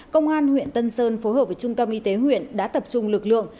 công an huyện tân sơn phối hợp với trung tâm y tế huyện đã tập trung lực lượng